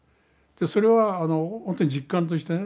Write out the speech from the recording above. それは本当に実感としてね